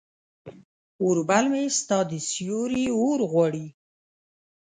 اوربل مې ستا د سیوري اورغواړي